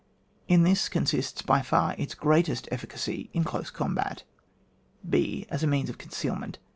In this consists by far its greatest efficacy in dose combat. ft. As a means of concealment.